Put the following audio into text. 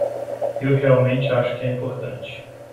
Eu realmente acho que é importante.